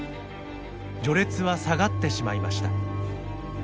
序列は下がってしまいました。